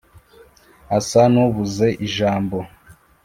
asa n’ubuze ijambo